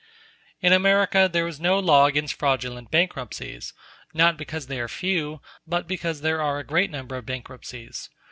In America there is no law against fraudulent bankruptcies; not because they are few, but because there are a great number of bankruptcies.